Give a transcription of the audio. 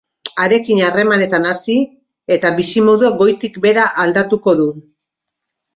Harekin harremanetan hasi, eta bizimodua goitik behera aldatuko du.